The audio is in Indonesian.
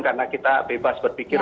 karena kita bebas berpikir